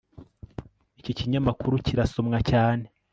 Iki kinyamakuru kirasomwa cyane